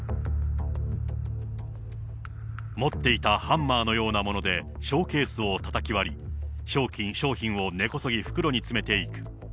持っていたハンマーのようなもので、ショーケースをたたき割り、商品を根こそぎ袋に詰めていく。